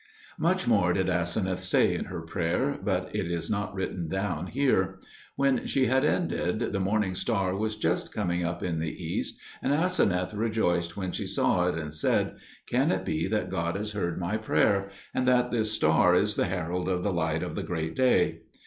Much more did Aseneth say in her prayer, but it is not written down here. When she had ended, the morning star was just coming up in the east, and Aseneth rejoiced when she saw it and said, "Can it be that God has heard my prayer, and that this star is the herald of the light of the great day?"